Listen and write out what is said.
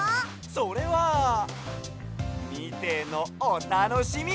それはみてのおたのしみ！